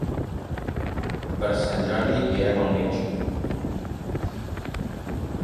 Per Sant Jordi irem al metge.